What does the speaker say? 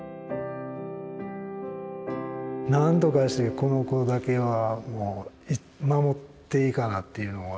なんとかしてこの子だけはもう守っていかなっていうのは。